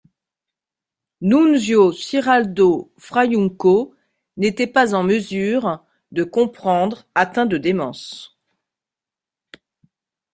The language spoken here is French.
Nunzio Ciraldo Fraiunco n'était pas en mesure de comprendre, atteint de démence.